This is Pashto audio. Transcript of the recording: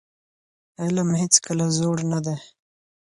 علم هيڅکله زوړ نه دی.